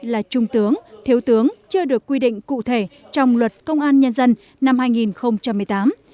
là trung tướng thiếu tướng chưa được quy định cụ thể trong luật công an nhân dân năm hai nghìn một mươi tám